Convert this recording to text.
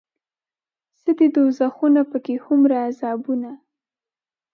څه دي دوزخونه پکې هومره عذابونه